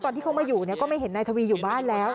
ที่เขามาอยู่ก็ไม่เห็นนายทวีอยู่บ้านแล้ว